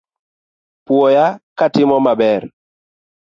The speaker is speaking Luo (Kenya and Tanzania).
Puoya katimo maber.